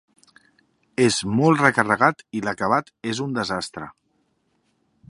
És molt recarregat i l'acabat és un desastre.